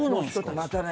またね。